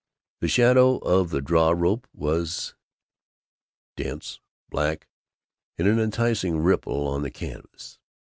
The shadow of the draw rope was dense black, in an enticing ripple on the canvas.